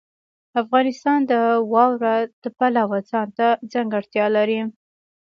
افغانستان د واوره د پلوه ځانته ځانګړتیا لري.